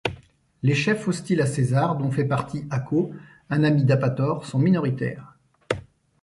Les chefs hostiles à César, dont fait partie Acco, un ami d'Apator, sont minoritaires.